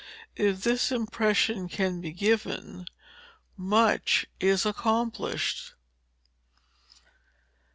If this impression can be given, much is accomplished.